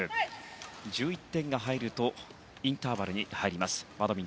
１１点が入るとインターバルに入ります。